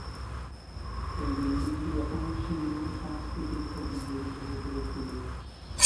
এই বিল্ডিংটি এখন সিন্ধুর সাংস্কৃতিক ঐতিহ্য হিসাবে সুরক্ষিত।